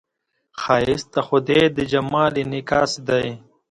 ښایست د خدای د جمال انعکاس دی